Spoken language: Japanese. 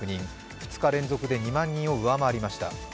２日連続で２万人を上回りました。